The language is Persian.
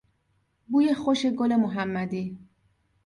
بوی خوش گل محمدی